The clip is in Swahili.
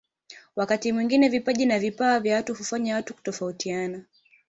Wakati mwingine vipaji au vipawa vya watu hufanya watu kutofautiana